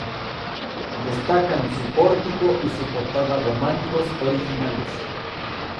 Destacan su pórtico y su portada románicos originales.